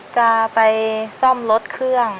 จะไปซ่อมรถเครื่อง